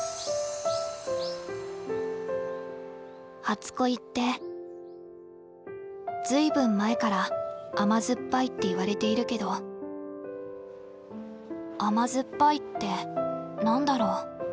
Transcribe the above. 初恋って随分前から「甘酸っぱい」っていわれているけど甘酸っぱいって何だろう？